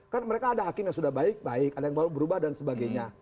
kan mereka ada hakim yang sudah baik baik ada yang baru berubah dan sebagainya